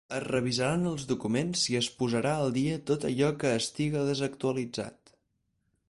Es revisaran els documents i es posarà al dia tot allò que estiga desactualitzat.